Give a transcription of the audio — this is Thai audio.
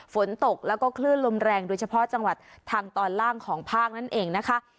ฝนตกแล้วก็คลื่นลมแรงโดยเฉพาะจังหวัดทางตอนล่างของภาคนั่นเองนะคะ